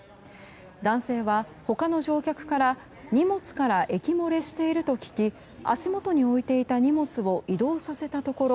男性は他の乗客から荷物から液漏れしていると聞き足元に置いていた荷物を移動させたところ